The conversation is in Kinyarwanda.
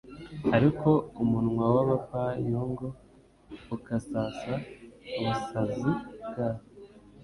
ariko umunwa w’abapfayongo ukasasa ubusazi bwabo